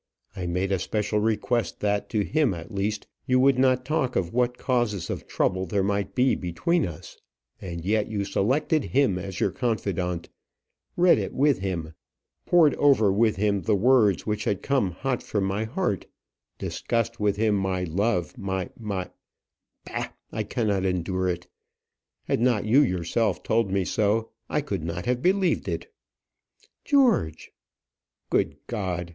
I made a special request that to him, at least, you would not talk of what causes of trouble there might be between us; and yet you selected him as your confidant, read it with him, poured over with him the words which had come hot from my heart, discussed with him my love my my my Bah! I cannot endure it; had not you yourself told me so, I could not have believed it." "George! " "Good God!